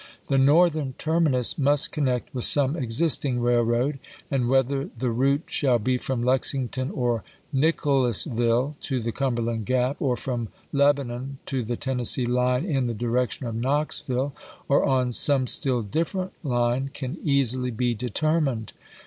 The northern terminus must connect with some existing railroad ; and whether the route shall be from Lexington or Nicholasville to the Cumberland Grap ; or from Lebanon to the Tennessee line in the direction of Knoxville ; or on some still different line, can easily be determined.